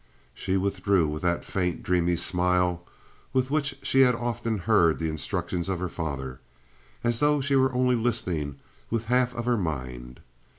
She withdrew with that faint, dreamy smile with which she so often heard the instructions of her father; as though she were only listening with half of her mind.